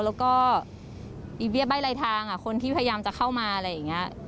แล้วก็มีเบี้ยใบ้ลายทางคนที่พยายามจะเข้ามาอะไรอย่างนี้